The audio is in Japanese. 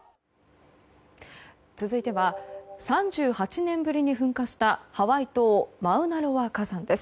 続いては３８年ぶりに噴火したハワイ島マウナロア火山です。